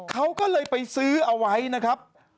เขาก็เลยไปซื้อเอาไว้นะครับ